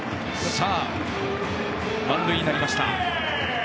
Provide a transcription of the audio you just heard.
満塁になりました。